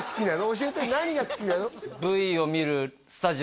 教えて何が好きなの？